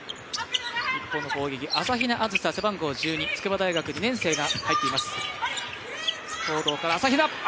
朝比奈あずさ、背番号１２筑波大学２年生が入っています。